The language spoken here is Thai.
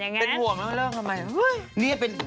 ไปเหอะเป็นห่วงแล้วเริ่มทำไม